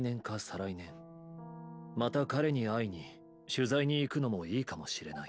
来年また彼に会いに取材に行くのもいいかもしれない。